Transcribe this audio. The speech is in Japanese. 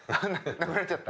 なくなっちゃった。